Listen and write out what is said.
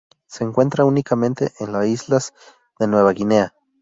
Se encuentra únicamente en la islas de Nueva Guinea.